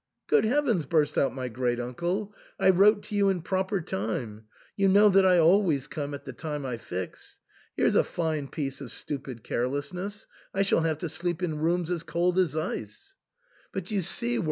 Good Heavens !" burst out my great uncle, " I wrote to you in proper time ; you know that I always come at the time I fix. Here's a fine piece of stupid carelessness ! I shall have to sleep in rooms as cold as ice." "But you see, wor THE ENTAIL.